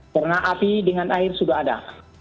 karena api dengan air sudah ada